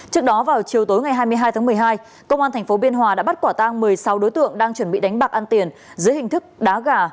trước đó vào chiều tối ngày hai mươi hai tháng một mươi hai công an tp biên hòa đã bắt quả tang một mươi sáu đối tượng đang chuẩn bị đánh bạc ăn tiền dưới hình thức đá gà